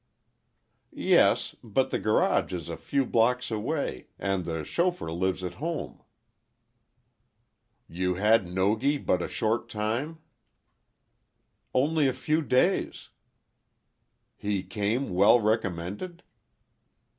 "Yes, but the garage is a few blocks away, and the chauffeur lives at home." "You had Nogi but a short time?" "Only a few days." "He came well recommended?"